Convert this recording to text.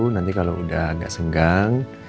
nanti kalau udah agak senggang